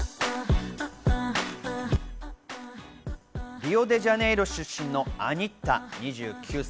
リオデジャネイロ出身のアニッタ、２９歳。